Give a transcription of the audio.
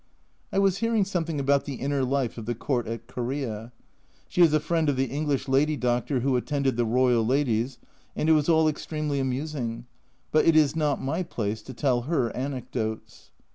I was hearing something about the inner life of the Court at Korea. She is a friend of the English lady doctor who attended the royal ladies, and it was all extremely amusing, but it is not my place to tell her anecdotes.